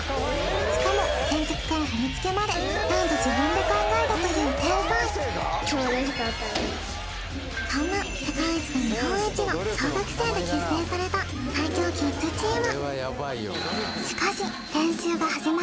しかも選曲から振付まで何と自分で考えたという天才そんな世界一と日本一の小学生で結成された最強キッズチーム